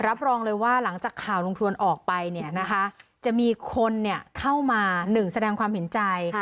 รับรองเลยว่าหลังจากข่าวลุงทวนออกไปเนี่ยนะคะจะมีคนเข้ามาหนึ่งแสดงความเห็นใจ